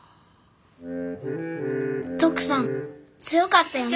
トクさん強かったよね。